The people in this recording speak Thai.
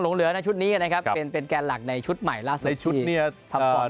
ลงเหลือในชุดนี้นะครับเป็นแกนหลักในชุดใหม่ล่าสุดที่ทำความดี